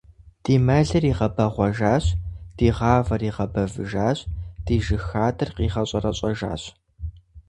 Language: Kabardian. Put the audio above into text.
Ди мэлыр игъэбэгъуэжащ, ди гъавэр игъэбэвыжащ, ди жыг хадэр къигъэщӀэрэщӀэжащ!